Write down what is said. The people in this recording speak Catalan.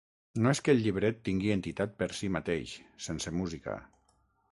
No és que el llibret tingui entitat per si mateix, sense música.